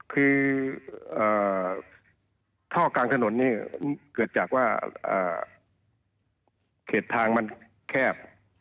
คือท่อกลางถนนนี่เกิดจากว่าเขตทางมันแคบ